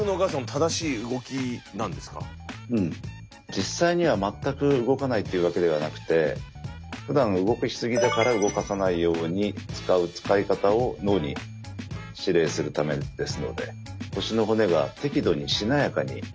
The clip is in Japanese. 実際には全く動かないっていうわけではなくてふだん動かしすぎだから動かさないように使う使い方を脳に指令するためですので腰の骨が適度にしなやかに動いていると思います。